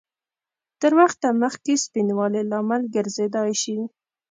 تر وخته مخکې سپینوالي لامل ګرځېدای شي؟